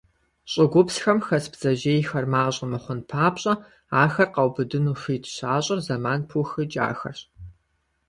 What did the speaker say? ЩӀыгупсхэм хэс бдзэжьейхэр мащӀэ мыхъун папщӀэ, ахэр къаубыдыну хуит щащӀыр зэман пыухыкӀахэрщ.